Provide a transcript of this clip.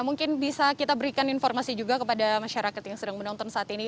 mungkin bisa kita berikan informasi juga kepada masyarakat yang sedang menonton saat ini